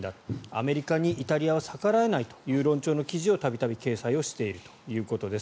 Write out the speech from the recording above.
アメリカにイタリアは逆らえないという論調の記事を度々掲載しているということです。